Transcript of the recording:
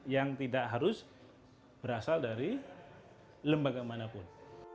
yang tidak harus berasal dari lembaga manapun